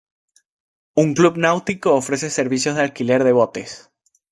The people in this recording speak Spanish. Un club náutico ofrece servicios de alquiler de botes.